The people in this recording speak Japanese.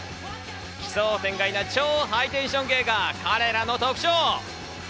奇想天外な超ハイテンション芸が彼らの特徴！